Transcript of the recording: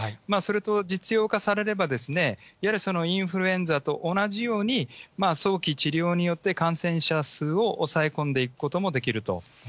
それと実用化されれば、やはりインフルエンザと同じように、早期治療によって感染者数を抑え込んでいくこともできると。